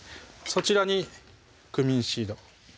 そちらにクミンシード